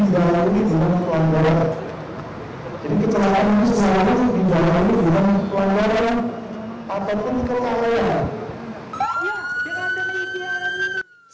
jadi kecelakaan selalu dijalankan dengan pelanggaran ataupun ketahuan